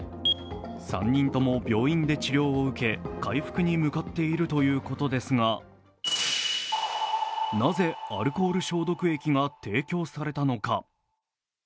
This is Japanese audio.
３人とも病院で治療を受け回復に向かっているということですが、なぜアルコール消毒液が提供されたのか。